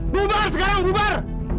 bubar sekarang bubar